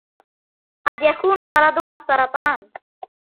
قد يكون مرضها السرطان.